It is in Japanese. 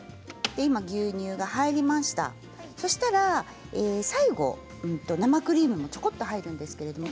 牛乳が入りましたら最後、生クリームもちょこっと入ります。